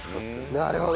なるほど！